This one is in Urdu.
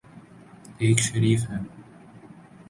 ایک شریف ہیں۔